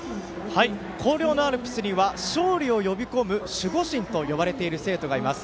広陵のアルプスには勝利を呼び込む守護神と呼ばれている生徒がいます。